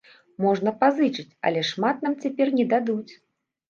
Можна пазычыць, але шмат нам цяпер не дадуць.